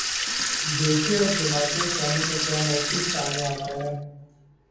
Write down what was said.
دیکھیے اب جماعت اسلامی کا کیا موقف سامنے آتا ہے۔